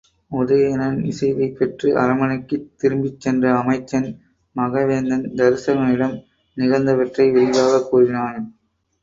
உதயணன் இசைவைப் பெற்று அரண்மனைக்குத் திரும்பிச் சென்ற அமைச்சன், மகதவேந்தன் தருசகனிடம் நிகழ்ந்தவற்றை விரிவாகக் கூறினான்.